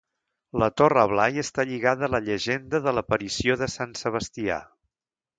La Torre Blai està lligada a la llegenda de l'aparició de Sant Sebastià.